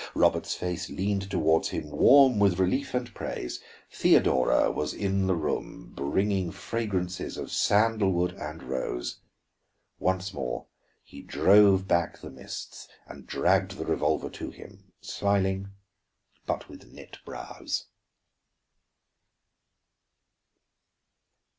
Robert's face leaned toward him, warm with relief and praise; Theodora was in the room, bringing fragrances of sandalwood and rose Once more he drove back the mists and dragged the revolver to him, smiling, but with knit brows.